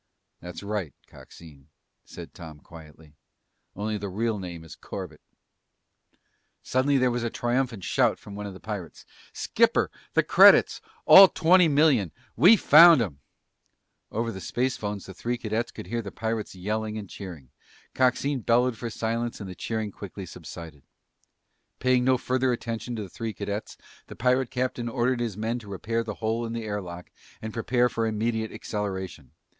"That's right, Coxine," said Tom quietly, "only the real name is Corbett." Suddenly there was a triumphant shout from one of the pirates. "Skipper! The credits! All twenty million! We found 'em!" Over their spacephones the three cadets could hear the pirates yelling and cheering. Coxine bellowed for silence and the cheering quickly subsided. Paying no further attention to the three cadets, the pirate captain ordered his men to repair the hole in the air lock and prepare for immediate acceleration.